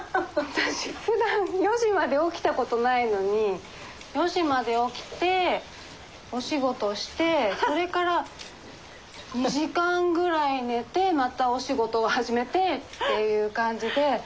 私ふだん４時まで起きた事ないのに４時まで起きてお仕事してそれから２時間ぐらい寝てまたお仕事を始めてっていう感じで。